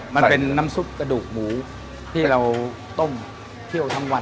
มันเป็นน้ำซุปกระดูกหมูที่เราต้มเคี่ยวทั้งวัน